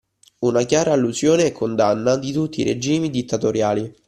Una chiara allusione e condanna di tutti i regimi dittatoriali.